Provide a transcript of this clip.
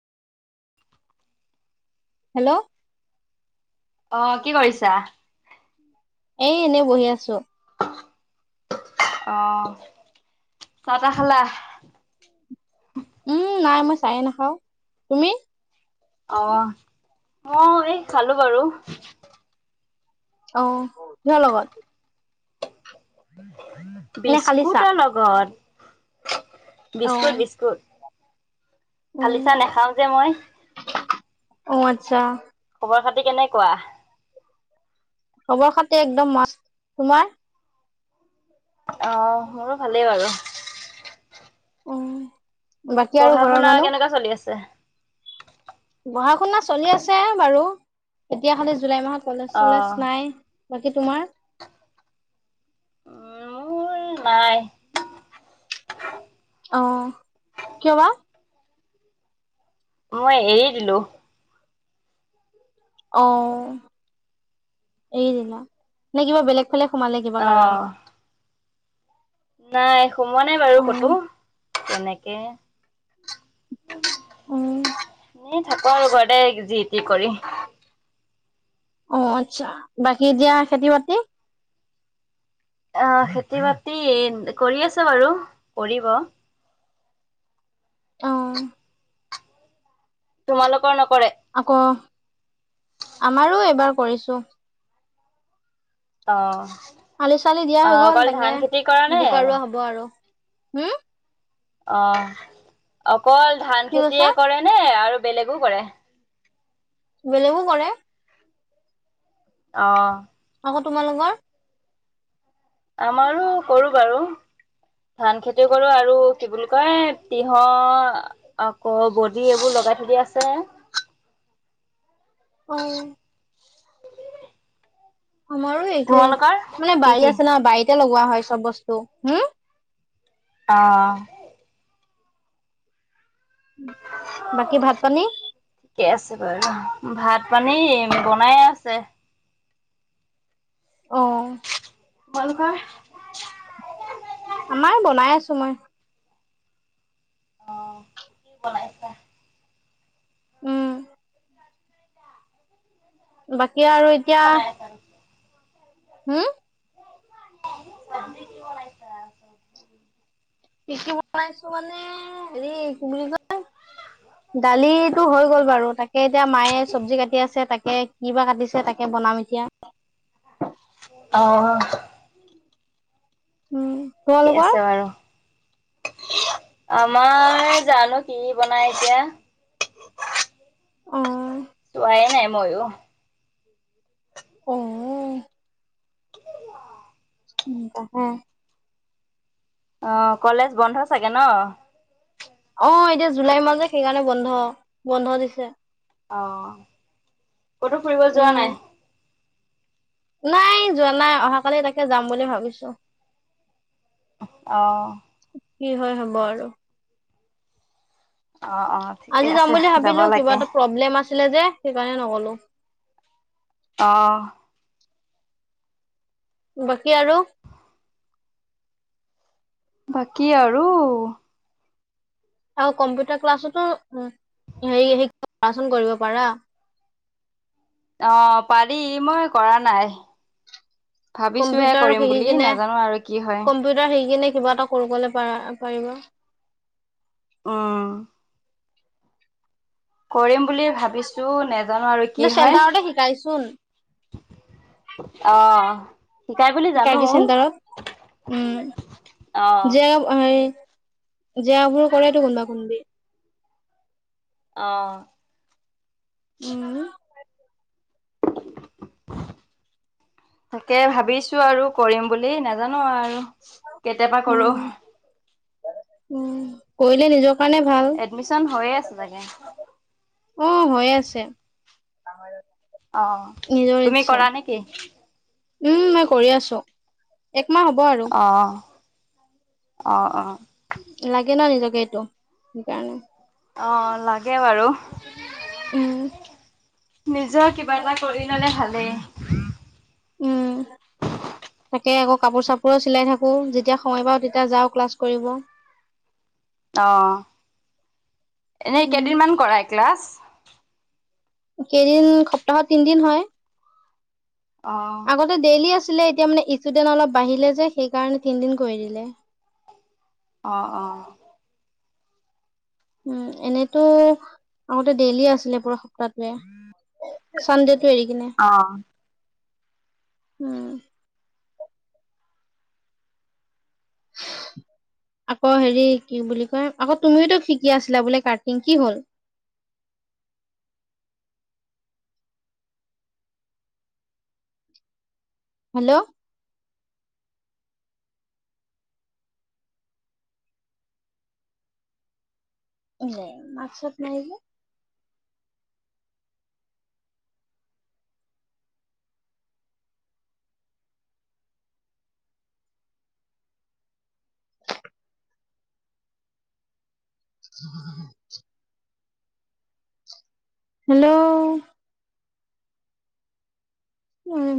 Hello! অঁ কি কৰিছা? এ এনেই বহি আছো। অঁ' চাহ তা খালা? উমঁ নাই মই চায়ে নাখাওঁ। তুমি? অঁ অঁ এই খালো বাৰু। অঁ কিহৰ লগত। নে খালি চাহ বিস্কুটৰ লগত। অ বিস্কুট, বিস্কুট খালি চাহ নাখাওঁ যে মই। অঁ আচ্ছা। খবৰ খাতি কেনেকুৱা? খবৰ-খাতি একদম মস্ত, তোমাৰ? অ' মোৰো ভালেই বাৰু। উম বাকী আৰু ঘৰৰ মানুহ। পূজা চলি আছে। পঢ়া-শুনা চলি আছে বাৰু, এতিয়া খালী জুলাই মাহত কলেজ চলেজ অ', নাই। বাকী তোমাৰ? উ মোৰ নাই। অহ' কিয় বা? মই এৰি দিলো। অ' এৰি দিলা নে, কিবা বেলেগ ফালে সোমালে কিবা অ', কাৰণত। নাই সোমোৱা নাই বাৰু অ ক'তো তেনেকে। উম। এনেই থাকো আৰু ঘৰতে যিটি কৰি। অ' আচ্ছা বাকী এতিয়া খেতি-বাতি। আহ' খেতি বাতি কৰি আছে বাৰু কৰিব। অ'। তোমালোকৰ নকৰে? আকৌ, আমাৰো এইবাৰ কৰিছো। অ'। আলি-চালি দিয়া হৈ অ', গ'ল, অকল ধান তাকে খেতি কৰা নে? বোকা ৰোৱা হ'ব আৰু, হম। অ' অকল ধান কি কৈছা খেতিয়ে কৰে নে, আৰু বেলেগো কৰে? বেলেগো কৰে। অ'। আকৌ তোমালোকৰ- আমাৰো কৰো বাৰু। ধান খেতি কৰো আৰু কি বুলি কয় তিহ আকৌ বডি এইবোৰ লগাই থ দি আছে। অ হ [unintelligible] আমাৰো একেই, মানে কি বাৰীত কি? আছে ন বাৰীতে লগোৱা হয় চব বস্তু, হম। অ বাকী ভাত পানী? থিকে আছে বাৰু ভাত পানী বনাইে আছে। অহ'। তোমালোকৰ? আমাৰ বনাই আছো মই। অ' কি বনাই উম। বাকী আৰু কি বনাই এতিয়া- আছা? হম। [unintelligible] কি কি বনাইছো মানে হেৰি কি বুলি কয়- [unintelligible] দালিটো হৈ গ'ল বাৰু তাকে এতিয়া মায়ে চব্জি কাটি আছে তাকে কি বা কাটিছে তাকে বনাম এতিয়া। অহ। উম। থিকে তোমালোকৰ আছে বাৰু। আমাৰ জানো কি বনাই এতিয়া। [inaudible] অ। তো আহ নাই এ মইয়ো। অহ। উম ত হে। অ কলেজ বন্ধ চাগে ন? অ এতিয়া জুলাই মাজে সেইকাৰণে বন্ধ, বন্ধ দিছে। অঁ কতো ফুৰিব যোৱা উম নাই। নাই যোৱা নাই অহাাকালি তাকে যাম বুলি ভাবিছো। অঁ। কি হয় হব আৰু। অ অ ঠিকে আজি যাম আছে বুলি যাব ভাবিলো কিবা লাগে এটা প্ৰব্লেম আছিলে যে সেইকাৰণে নগলো। অঁ। বাকী আৰু। বাকী আৰু। আৰু কম্পিউটাৰ ক্লাছতো হেৰি শিক্ষন কৰিব পাৰা অ পাৰি মই কৰা নাই। ভাবিছো হে কম্পিউটাৰ কৰিম বুলি নাজানো আৰু কি হয়। দুটা থাকি কিনে কিবা এটা কৰিব পাৰা পাৰিবা। অঁ! কৰিম বুলি ভাবিছো নজানো আৰু কি কিন্তু হয়। চেণ্টাৰতে শিকাইচোন অহ তাইজেচন দ্বাৰা উম অ যে আ অ সেই জেয়াবোৰ কৰেটো কোনবা কোনবি অ উম তাকে ভাবিছো আৰু কৰিম বুলি নাজানো আৰু কেতিয়াবা কৰো উম উম কৰিলে নিজৰ কাৰণে ভাল এডমিচন হৈয়ে আছে চাগে অ হৈয়ে আছে অ নিজৰ তুমি ইচ্ছা। কৰা নেকি উম মই কৰি আছো একমাহ হ'ব আৰু অ অ অ লাগে না নিজকে এইটো সেইকাৰণে অ লাগে বাৰু উম নিজৰ কিবা এটা কৰি ললে ভালেই উম [unintelligible] তাকে আকৌ কাপোৰ চাপোৰো চিলাই থাকো যেতিয়া সময় পাওঁ তেতিয়া যাওঁ ক্লাছ কৰিব অ এনেই উম, কেইদিনমান কৰাই ক্লাছ কেইদিন সপ্তাহত তিনদিন হয় অ আগতে ডেইলি আছিলে এতিয়া মানে ষ্টুডেণ্ট অলপ বাঢ়িলে যে সেইকাৰণে তিনদিন কৰি দিলে অঁ অ উম এনেতো আগতে ডেইলিয়ে আছিলে পুৰা সপ্তাহটোৱে চান ডেটো এৰি কিনে অ উম [inaudible] আকৌ হেৰি কি বুলি কয় আকৌ তুমিওতো শিকি আছিলা বোলে ক্টিং কি হ'ল। হেল্ল' নাই মাত ছাত নাই যে। উ হেল্ল' উম